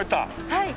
はい。